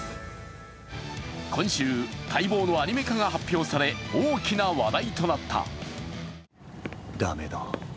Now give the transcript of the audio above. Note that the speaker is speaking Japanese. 今週、待望のアニメ化が発表され大きな話題となった。